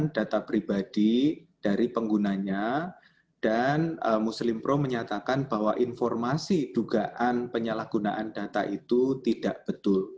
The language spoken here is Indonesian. data pribadi dari penggunanya dan muslim pro menyatakan bahwa informasi dugaan penyalahgunaan data itu tidak betul